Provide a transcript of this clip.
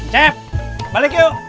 cep balik yuk